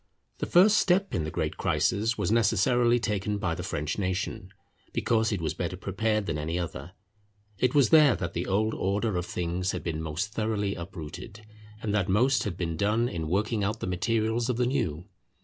The first step in the great crisis was necessarily taken by the French nation, because it was better prepared than any other. It was there that the old order of things had been most thoroughly uprooted, and that most had been done in working out the materials of the new.